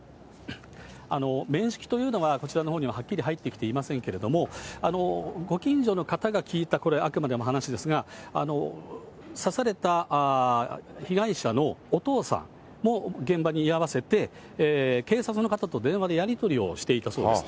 面識というのは、こちらのほうにははっきり入ってきていませんけれども、ご近所の方が聞いたこれ、あくまでも話ですが、刺された被害者のお父さんも現場に居合わせて、警察の方と電話でやり取りをしていたそうです。